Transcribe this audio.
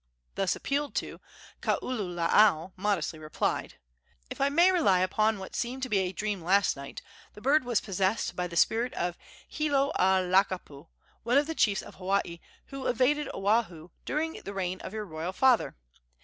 Thus appealed to, Kaululaau modestly replied: "If I may rely upon what seemed to be a dream last night, the bird was possessed by the spirit of Hilo a Lakapu, one of the chiefs of Hawaii who invaded Oahu during the reign of your royal father.